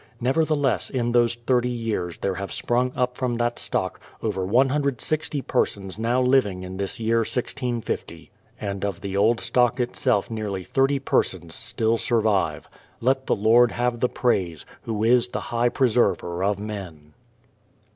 Nevertheless in those thirty years there have sprung up from that stock over i6o persons now living in this year 1650; and of the old stock itself nearly thirty persons still survive. Let the Lord have the praise, Who is the High Preserver of men.